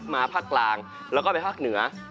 ภาคกลางแล้วก็ไปภาคเหนือ